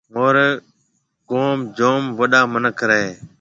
مهوريَ گوم جوم وڏا مِنک رهيَ هيَ۔